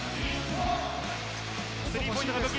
スリーポイントが武器。